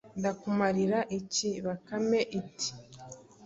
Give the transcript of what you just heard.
ndakumarira iki? “Bakame iti:”